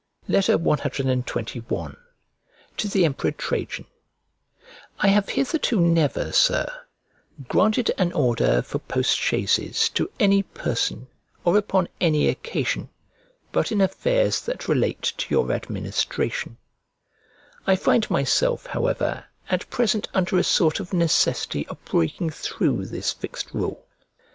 CXXI To THE EMPEROR TRAJAN I HAVE hitherto never, Sir, granted an order for post chaises to any person, or upon any occasion, but in affairs that relate to your administration. I find myself, however, at present under a sort of necessity of breaking through this fixed rule.